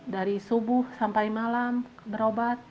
dari subuh sampai malam berobat